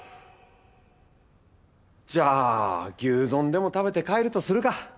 じゃあ牛丼でも食べて帰るとするか。